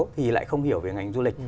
thì lại không hiểu về ngành du lịch